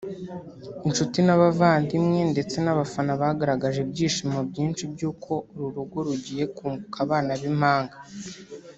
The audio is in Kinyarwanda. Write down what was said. Inshuti n’abavandimwe ndetse n’abafana bagaragaje ibyishimo byinshi by’uko uru rugo rugiye kunguka abana b’impanga